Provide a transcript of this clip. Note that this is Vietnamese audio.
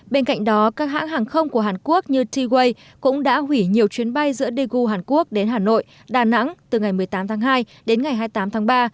bên cạnh đó các hãng hàng không của hàn quốc như t way cũng đã hủy nhiều chuyến bay giữa daegu hàn quốc đến hà nội đà nẵng từ ngày một mươi tám tháng hai đến ngày hai mươi tám tháng ba